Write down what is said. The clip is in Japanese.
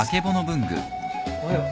おはよう。